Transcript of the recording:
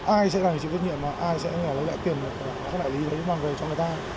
ai sẽ là người chịu tiết nhiệm mà ai sẽ lấy lại tiền của các đại lý lấy bằng về cho người ta